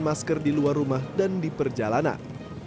masker di luar rumah dan di perjalanan